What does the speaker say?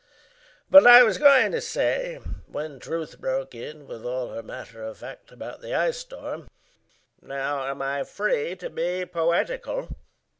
But I was going to say when Truth broke in With all her matter of fact about the ice storm (Now am I free to be poetical?)